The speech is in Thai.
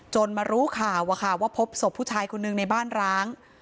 จนมารู้ข่าวอะค่ะว่าพบศพผู้ชายคนนึงในบ้านร้าง